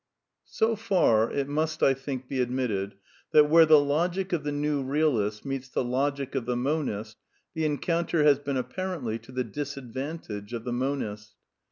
It So far, it must, I think; be admitted that, where the logic of the new realist meets the logic of the monist, the encounter has been apparently to the disadvantage of the monist.